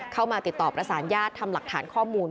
เข้ามาติดต่อประสานญาติทำหลักฐานข้อมูล